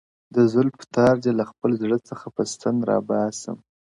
د زلفو تار دي له خپل زړه څخه په ستن را باسم،